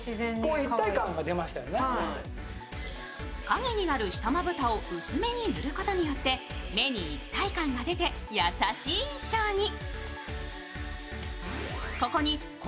影になる下まぶたを薄めに塗ることによって目に一体感が出て優しい印象に。